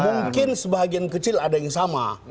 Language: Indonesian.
mungkin sebagian kecil ada yang sama